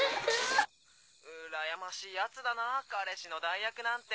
うらやましい奴だな彼氏の代役なんて。